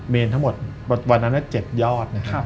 ทั้งหมดวันนั้น๗ยอดนะครับ